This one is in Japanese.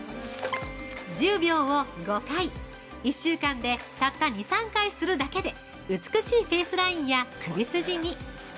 ◆１０秒を５回１週間で、たった２３回するだけで美しいフェイスラインや首筋に。